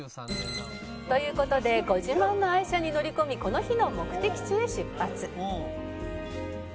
「という事でご自慢の愛車に乗り込みこの日の目的地へ出発」